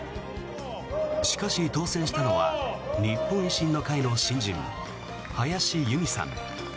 しかし、当選したのは日本維新の会の新人林佑美さん。